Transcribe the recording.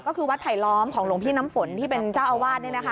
ก็คือวัดไผลล้อมของหลวงพี่น้ำฝนที่เป็นเจ้าอาวาส